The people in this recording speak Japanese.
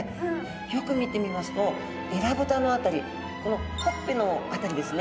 よく見てみますとえらぶたの辺りこのほっぺの辺りですね。